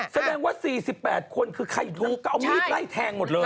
แสดงว่า๔๘คนคือใครรู้ก็เอามีดไล่แทงหมดเลย